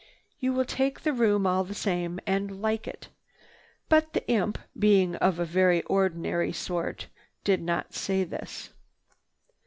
You will take the room all the same, and like it." But the imp, being of a very ordinary sort, did not say this.